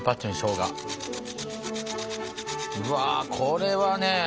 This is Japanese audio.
うわこれはね